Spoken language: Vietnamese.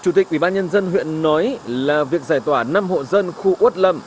chủ tịch quỹ bán nhân dân huyện nói là việc giải tỏa năm hộ dân khu út lâm